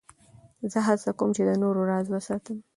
زه هڅه کوم، چي د نورو راز وساتم.